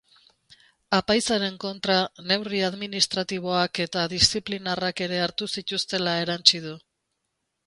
Apaizaren kontra neurri administratiboak eta diziplinarrak ere hartu zituztela erantsi du.